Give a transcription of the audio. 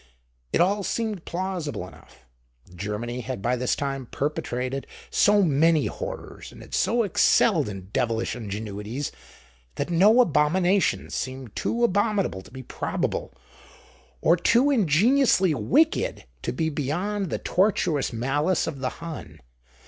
It all seemed plausible enough; Germany had by this time perpetrated so many horrors and had so excelled in devilish ingenuities that no abomination seemed too abominable to be probable, or too ingeniously wicked to be beyond the tortuous malice of the Hun.